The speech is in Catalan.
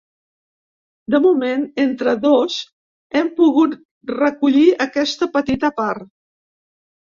De moment entre dos hem pogut recollir aquesta petita part.